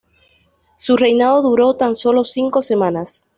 Su reinado duró tan sólo cinco semanas.